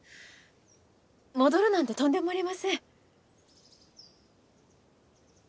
戻るなんてとんでもありません。